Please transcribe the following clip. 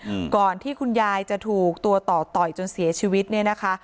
อืมก่อนที่คุณยายจะถูกตัวต่อต่อยจนเสียชีวิตเนี้ยนะคะ